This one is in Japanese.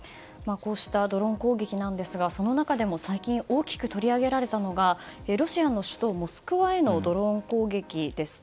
こうしたドローン攻撃なんですがその中でも最近、大きく取り上げられたのがロシアへの首都モスクワへのドローン攻撃です。